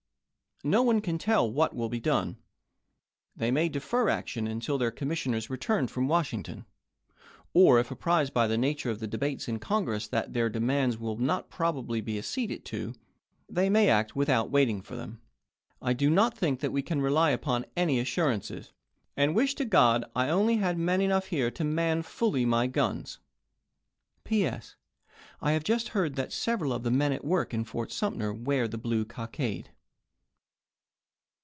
.. No one can tell what will be done. They may defer action until their Commissioners return from Washington ; or if apprised by the nature of the debates in Congress that their demands will not probably be acceded to, they may act without waiting for them. I do not think that we can rely upon any assurances, and wish to God I only had men enough here to man fully my guns. .. P. S. — I have just heard that several of the men at work in Fort Sum ter wear the blue cockade.